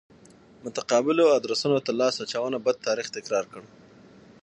متقابلو ادرسونو ته لاس اچونه بد تاریخ تکرار کړ.